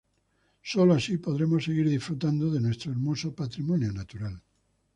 Sólo así podremos seguir disfrutando de nuestro hermoso patrimonio natural.